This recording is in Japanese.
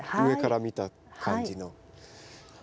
上から見た感じの。